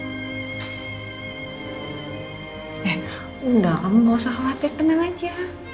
eh udah kamu gak usah khawatir tenang aja